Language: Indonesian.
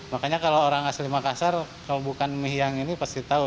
makanya kalau orang asli makassar kalau bukan mie yang ini pasti tahu